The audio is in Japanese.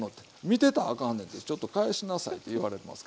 見てたらあかんねんちょっと返しなさいと言われますけど。